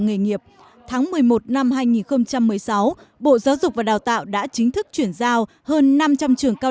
nghề nghiệp tháng một mươi một năm hai nghìn một mươi sáu bộ giáo dục và đào tạo đã chính thức chuyển giao hơn năm trăm linh trường cao